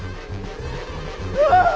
うわ！